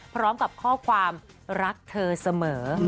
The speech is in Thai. พร้อมกับข้อความรักเธอเสมอ